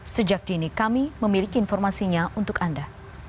sejak dini kami memiliki informasinya untuk anda